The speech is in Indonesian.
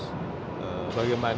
bagaimana citylink bisa mengembangkan